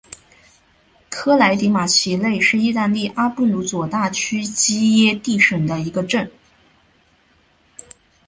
科莱迪马奇内是意大利阿布鲁佐大区基耶蒂省的一个镇。